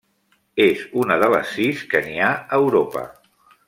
És una de les sis que n'hi ha a Europa.